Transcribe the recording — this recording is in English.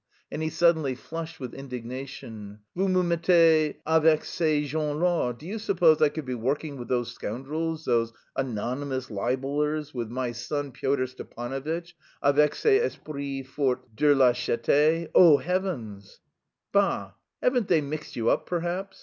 And he suddenly flushed with indignation. "Vous me mettez avec ces gens là! Do you suppose I could be working with those scoundrels, those anonymous libellers, with my son Pyotr Stepanovitch, avec ces esprits forts de lâcheté? Oh, heavens!" "Bah! haven't they mixed you up perhaps?...